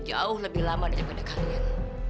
jauh lebih lama daripada kalian